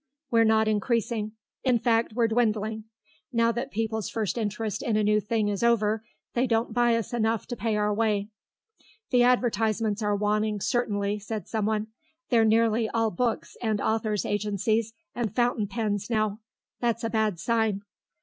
We're not increasing. In fact, we're dwindling. Now that people's first interest in a new thing is over, they don't buy us enough to pay our way." "The advertisements are waning, certainly," said someone. "They're nearly all books and author's agencies and fountain pens now. That's a bad sign."